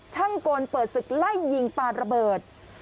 กลเปิดศึกไล่ยิงปลาระเบิด